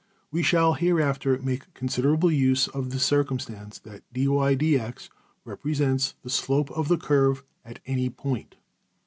\textit{We shall hereafter make considerable use of this circumstance that $\dfrac{dy}{dx}$ represents the slope of the curve at any point.